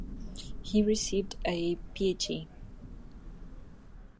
He received a PhD.